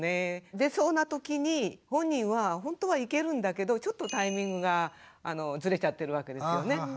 出そうなときに本人はほんとは行けるんだけどちょっとタイミングがずれちゃってるわけですよね。